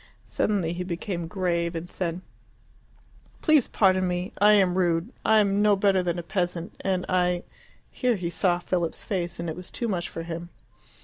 Suddenly he became grave, and said, "Please pardon me; I am rude. I am no better than a peasant, and I " Here he saw Philip's face, and it was too much for him.